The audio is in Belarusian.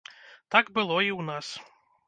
Так было і ў нас.